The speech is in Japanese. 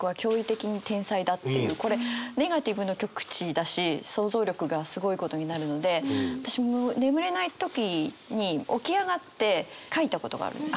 これネガティブの極地だし想像力がすごいことになるので私もう眠れない時に起き上がって書いたことがあるんです。